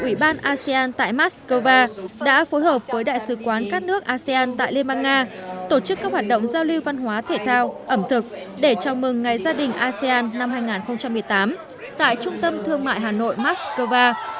ủy ban asean tại moscow đã phối hợp với đại sứ quán các nước asean tại liên bang nga tổ chức các hoạt động giao lưu văn hóa thể thao ẩm thực để chào mừng ngày gia đình asean năm hai nghìn một mươi tám tại trung tâm thương mại hà nội moscow